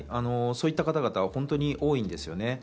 そういった方々、本当に多いんですね。